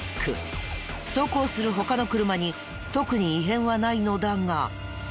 走行する他の車に特に異変はないのだが。